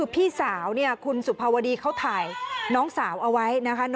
พี่สาวคุณสุภาวดีเขาถ่ายน้องสาวเอาไว้นะคะ